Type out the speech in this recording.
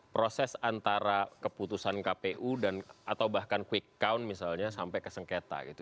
proses antara keputusan kpu atau bahkan quick count misalnya sampai ke sengketa gitu